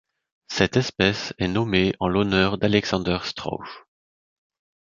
Cette espèce est nommée en l'honneur d'Alexander Strauch.